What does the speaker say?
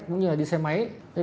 cũng như là đi xe máy điện